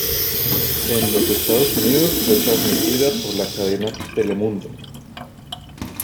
En los Estados Unidos fue trasmitida por la cadena Telemundo.